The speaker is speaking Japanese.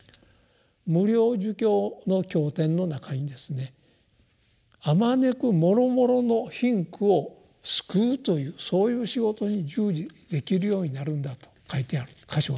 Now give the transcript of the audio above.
「無量寿経」の経典の中にですね「あまねくもろもろの貧苦を救う」というそういう仕事に従事できるようになるんだと書いてある箇所があるんですね。